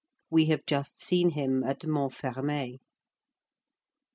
We have just seen him at Montfermeil.